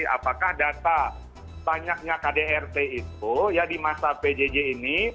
apakah data banyaknya kdrt itu ya di masa pjj ini